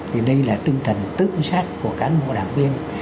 thì đây là tinh thần tự giác của cán bộ đảng tuyên